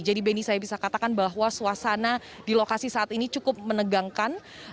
jadi benny saya bisa katakan bahwa suasana di lokasi saat ini cukup menegangkan